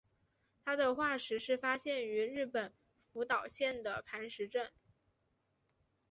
它的化石是发现于日本福岛县的磐城市。